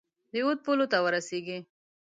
د اود پولو ته ورسیږي.